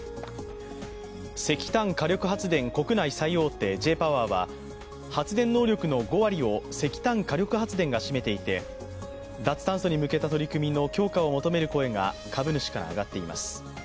石炭火力発電国内最大手Ｊ−ＰＯＷＥＲは発電能力の５割を石炭火力発電が占めていて脱炭素に向けた取り組みを求める声が株主から上がっています。